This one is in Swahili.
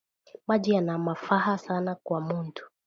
Maji yana mafaha sana kwa muntu